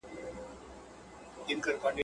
ورانوي هره څپه یې د مړو د بګړۍ ولونه..